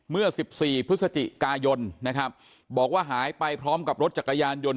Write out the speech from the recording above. เมื่อ๑๔พฤศจิกายนนะครับบอกว่าหายไปพร้อมกับรถจักรยานยนต์